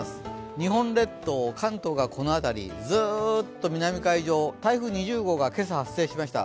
日本列島、関東がこの辺りずっと南海上、台風２０号が今朝、発生しました。